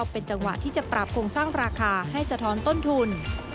เป็นจังหวะที่จะปรับโครงสร้างราคาให้สะท้อนต้นทุน